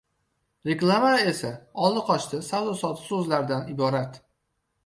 Reklamalar esa… oldi-qochdi, savdo-sotiq so‘zlardan iborat.